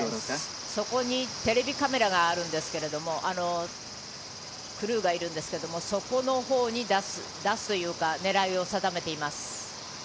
そこにテレビカメラがあるんですけど、クルーがいるんですけど、そこのほうに出すという狙いを定めています。